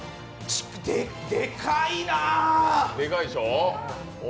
でかいな。